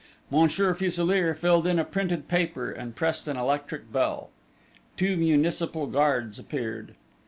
Monsieur Fuselier filled in a printed paper and pressed an electric bell. Two municipal guards appeared.